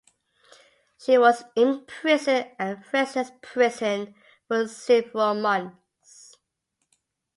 She was imprisoned at Fresnes prison for several months.